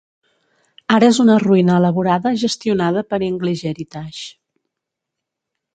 Ara és una ruïna elaborada gestionada per English-Heritage.